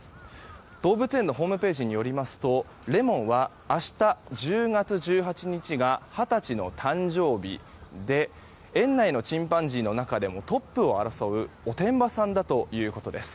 動物園のホームページによりますとレモンは明日１０月１８日が二十歳の誕生日で園内のチンパンジーの中でもトップを争うおてんばさんだということです。